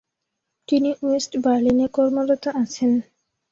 তিনি ওয়েস্ট বার্লিনে কর্মরত আছেন।